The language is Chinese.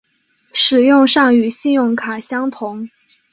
使用上与信用卡相同。